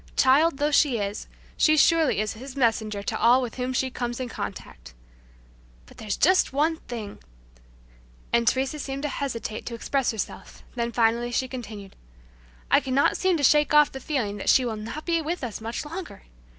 Child though she is, she surely is His messenger to all with whom she comes in contact But there's just one thing," and Teresa seemed to hesitate to express herself, then finally she continued, "I cannot seem to shake off the feeling that she will not be with us much longer.